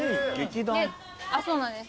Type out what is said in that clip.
そうなんです。